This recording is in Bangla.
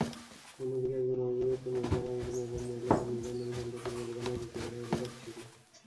অন্যদিকে একজন অবিবাহিত মহিলা বা একজন একক মহিলার, তার নিজের নামে সম্পত্তির মালিকানা ও চুক্তি করার অধিকার ছিল।